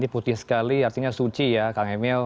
putih sekali artinya suci ya kang emil